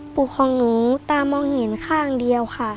ของหนูตามองเห็นข้างเดียวค่ะ